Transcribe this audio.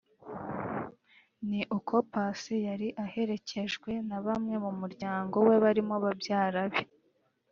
ni uko Paccy yari aherekejwe na bamwe mu muryango we barimo babyara be